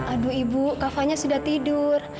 aduh ibu kavanya sudah tidur